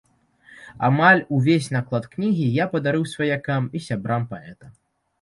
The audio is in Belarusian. Амаль увесь наклад кнігі я падарыў сваякам і сябрам паэта.